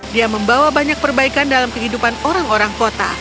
dia membawa banyak perbaikan dalam kehidupan orang orang kota